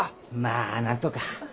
まあなんとか。